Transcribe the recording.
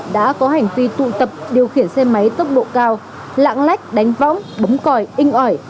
đã có hành vi tụ tập điều khiển xe máy tốc độ cao lạng lách đánh võng bấm còi inh ỏi